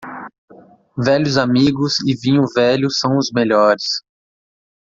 Velhos amigos e vinho velho são os melhores.